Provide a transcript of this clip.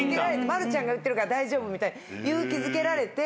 まるちゃんが言ってるから大丈夫みたいに勇気づけられて。